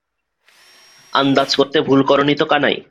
আন্দাজ করতে ভুল কর নি তো কানাই?